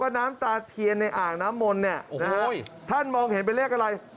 อันนี้ดูยาก